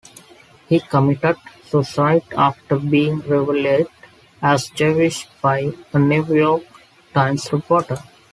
He committed suicide after being revealed as Jewish by a "New York Times" reporter.